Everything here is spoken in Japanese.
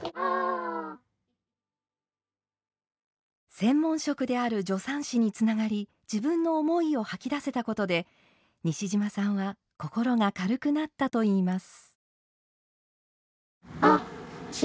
専門職である助産師につながり自分の思いを吐き出せたことで西島さんは心が軽くなったといいます。